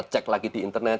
cek lagi di internet